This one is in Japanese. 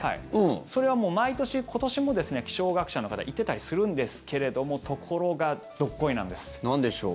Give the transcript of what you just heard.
それはもう毎年今年も気象学者の方言ってたりするんですけれどもなんでしょう？